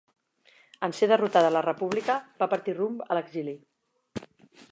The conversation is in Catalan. En ser derrotada la República va partir rumb a l'exili.